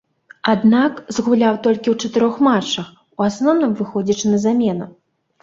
Аднак, згуляў толькі ў чатырох матчах, у асноўным выходзячы на замену.